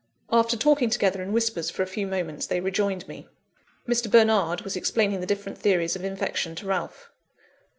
After talking together in whispers for a few moments, they rejoined me. Mr. Bernard was explaining the different theories of infection to Ralph.